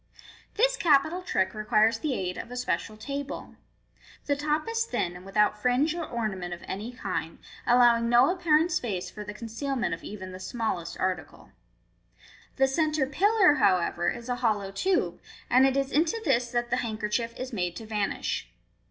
This capital trick requires the aid of a special table. The top is thin, and without fringe or ornament of any kind, allowing c^ appa rent space for the concealment of even the smallest article. The centre pillar, however, is a hollow tube, and it is into this that the handkerchief is made to vanish.